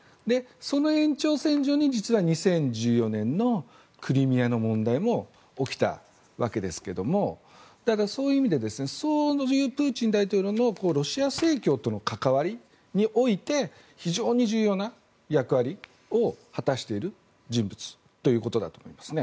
その延長線上に実は２０１４年のクリミアの問題も起きたわけですがだから、そういう意味でプーチン大統領のロシア正教との関わりにおいて非常に重要な役割を果たしている人物ということだと思います。